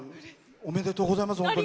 ありがとうございます。